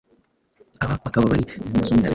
aba bakaba bari intumwa z’umwihariko